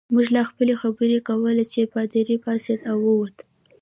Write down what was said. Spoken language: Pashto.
موږ لا خپلې خبرې کولې چې پادري پاڅېد او ووت.